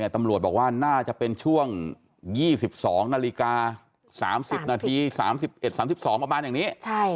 ตำรวจบอกว่าน่าจะเป็นช่วง๒๒นาฬิกา๓๐นาที๓๑๓๒ประมาณอย่างนี้